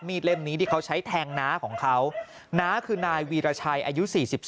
เล่มนี้ที่เขาใช้แทงน้าของเขาน้าคือนายวีรชัยอายุ๔๒